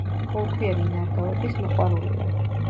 ბოლქვიანი ნარგავების მოყვარულია.